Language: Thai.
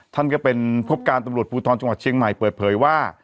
ท่านก็เป็นพบการตำรวจภูทรจังหวัดเชียงใหม่เปิดเผยว่า